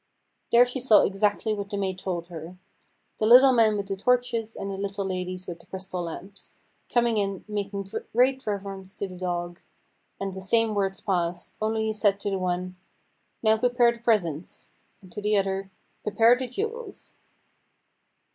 There she saw exactly what the maid told her the little men with the torches, and the little ladies with the crystal lamps, come in making great reverence to the dog, and the same words pass, only he said to the one, "Now prepare the presents," and to the other, "Prepare the jewels."